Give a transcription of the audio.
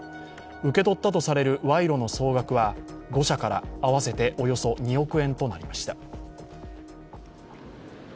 受け取ったとされる賄賂の総額は５社から合わせておよそ２億円となりました。